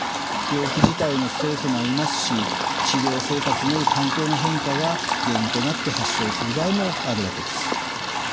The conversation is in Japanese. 病気自体のストレスもありますし治療生活による環境の変化が原因となって発症する場合もあるわけです。